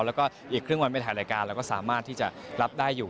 แล้วก็อีกครึ่งวันไปถ่ายรายการเราก็สามารถที่จะรับได้อยู่